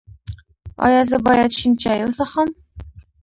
ایا زه باید شین چای وڅښم؟